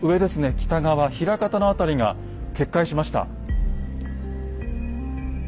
北側枚方の辺りが決壊しました。